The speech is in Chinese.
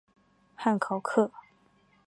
汉考克。